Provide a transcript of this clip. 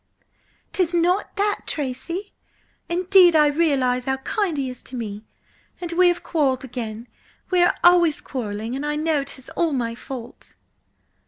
"'Tis not that, Tracy! Indeed I realise how kind he is to me. And we have quarrelled again. We are always quarrelling, and I know 'tis all my fault."